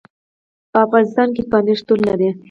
په افغانستان کې پامیر شتون لري.